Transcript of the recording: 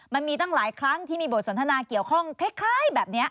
มันมีตั้งหลายครั้งที่มีบทสนทนาเกี่ยวข้องคล้ายแบบนี้